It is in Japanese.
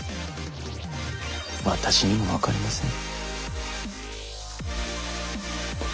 私にも分かりません。